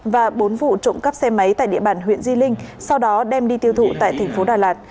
và bốn vụ trộm cắp xe máy tại địa bàn huyện di linh sau đó đem đi tiêu thụ tại thành phố đà lạt